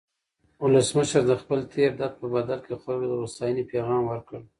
ولسمشر د خپل تېر درد په بدل کې خلکو ته د هوساینې پیغام ورکړ.